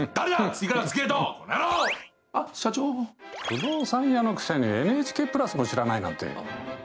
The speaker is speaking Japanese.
不動産屋のくせにＮＨＫプラスも知らないなんて。